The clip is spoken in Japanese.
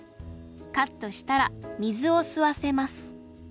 カットしたら水を吸わせます